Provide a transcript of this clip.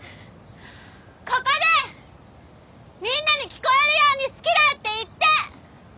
ここでみんなに聞こえるように好きだって言って！